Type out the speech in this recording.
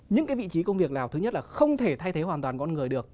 những cái vị trí công việc nào thứ nhất là không thể thay thế hoàn toàn con người được